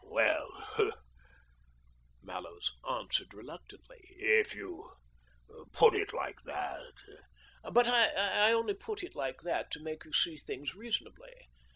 Well," Mallows answered reluctantly, " if you put it like that "" But I only put it like that to make you see things reasonably.